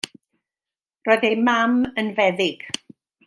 Roedd ei mam yn feddyg.